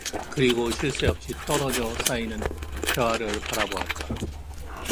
그리고 쉴 새 없이 떨어져 쌓이는 벼알을 바라보았다.